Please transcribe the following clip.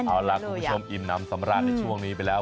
ครูผู้ชมอิ้มนำสำระราธในช่วงนี้ไปแล้ว